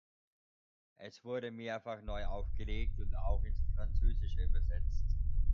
Es wurde mehrfach neu aufgelegt und auch ins Französische übersetzt.